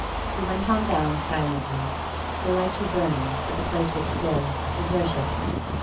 He went on down silently. The lights were burning, but the place was still, deserted.